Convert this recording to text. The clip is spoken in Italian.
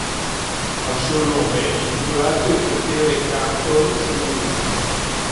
Al suo nome è intitolato il cratere Cantor sulla Luna.